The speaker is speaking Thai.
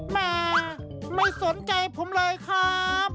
แม่ไม่สนใจผมเลยครับ